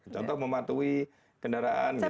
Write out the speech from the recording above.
contoh mematuhi kendaraan gitu kan